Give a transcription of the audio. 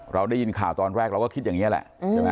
เราได้ยินข่าวตอนแรกเราก็คิดอย่างนี้แหละใช่ไหม